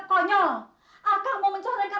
konyol akam mau mencorengkan